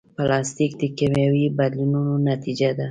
پلاستيک د کیمیاوي بدلونونو نتیجه ده.